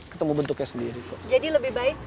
ketemu bentuknya sendiri kok jadi lebih baik